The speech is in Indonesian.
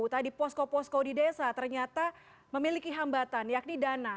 tadi posko posko di desa ternyata memiliki hambatan yakni dana